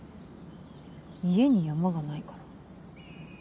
家に山がないから。